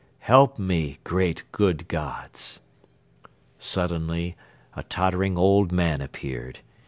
Help me, great, good Gods!' "Suddenly a tottering old man appeared.